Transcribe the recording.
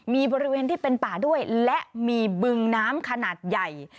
มีบริเวณที่เป็นป่าด้วยและมีบึงน้ำขนาดใหญ่